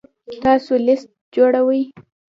تاسو لیست جوړوئ؟